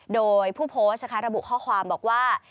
โดยผู้โพสต์นะคะระบุข้อความบอกว่า